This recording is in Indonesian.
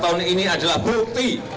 tahun ini adalah bukti